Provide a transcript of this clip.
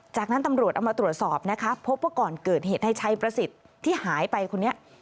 จากนั้นตำรวจเอามาตรวจสอบนะคะพบว่าก่อนเกิดเหตุในชัยประสิทธิ์ที่หายไปคนนี้